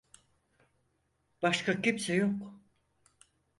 Başka kimse yok.